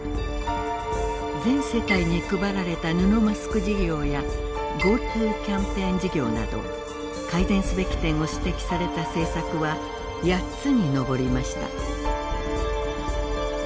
全世帯に配られた布マスク事業やＧｏＴｏキャンペーン事業など改善すべき点を指摘された政策は８つに上りました。